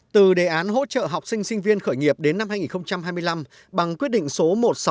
từ đề án hỗ trợ học sinh sinh viên khởi nghiệp đến năm hai nghìn hai mươi năm bằng quyết định số một nghìn sáu trăm sáu mươi